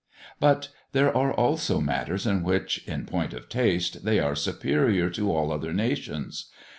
But there are also matters in which, in point of taste, they are superior to all other nations.